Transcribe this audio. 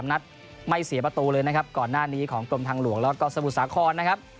นัดไม่เสียประตูเลยนะครับก่อนหน้านี้ของกรมทางหลวงแล้วก็สมุทรสาครนะครับ